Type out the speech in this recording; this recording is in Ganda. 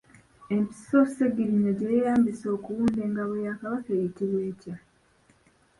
Empiso Ssegiriinya gye yeeyambisa okuwunda engabo ya Kabaka eyitibwa etya?